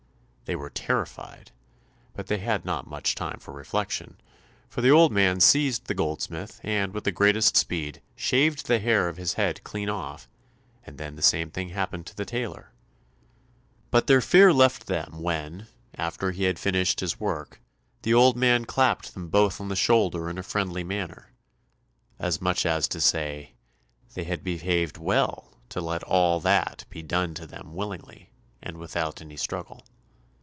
They were terrified, but they had not much time for reflection, for the old man seized the goldsmith and with the greatest speed, shaved the hair of his head clean off, and then the same thing happened to the tailor. But their fear left them when, after he had finished his work, the old man clapped them both on the shoulder in a friendly manner, as much as to say, they had behaved well to let all that be done to them willingly, and without any struggle.